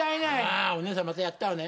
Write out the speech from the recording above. あお姉さんまたやったわね。